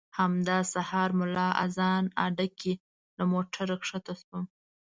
همدا سهار ملا اذان اډه کې له موټره ښکته شوم.